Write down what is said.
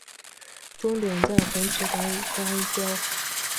终点在红旗岗与相交。